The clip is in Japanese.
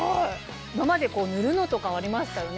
今まで塗るのとかありましたよね。